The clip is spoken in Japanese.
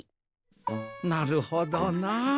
なるほどな。